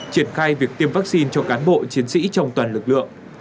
triển khai việc tiêm vắc xin cho cán bộ chiến sĩ trong toàn lực lượng